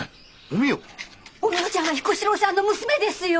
お美代ちゃんは彦四郎さんの娘ですよ。